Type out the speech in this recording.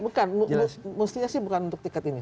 bukan mestinya sih bukan untuk tiket ini